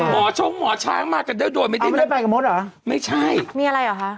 หมอชงหมอช้างมากกันเดียวโดยไม่ได้นึกไม่ใช่มีอะไรหรอฮะ